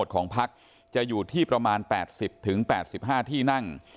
ของพักจะอยู่ที่ประมาณ๘๐๘๕ที่นั่ง